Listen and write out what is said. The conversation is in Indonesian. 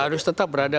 harus tetap berada